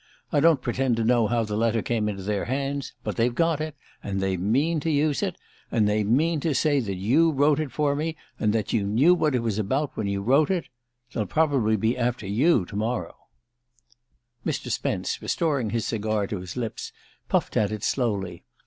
I don't pretend to know how the letter came into their hands; but they've got it; and they mean to use it and they mean to say that you wrote it for me, and that you knew what it was about when you wrote it. ... They'll probably be after you tomorrow " Mr. Spence, restoring his cigar to his lips, puffed at it slowly.